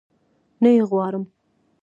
نه يي غواړم